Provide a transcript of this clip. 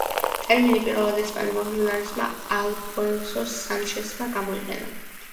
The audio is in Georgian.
ტერმინი პირველად ესპანელმა ჟურნალისტმა ალფონსო სანჩესმა გამოიყენა.